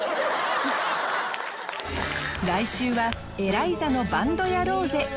来週はエライザの「バンドやろうぜ」